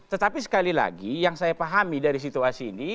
tetapi sekali lagi yang saya pahami dari situasi ini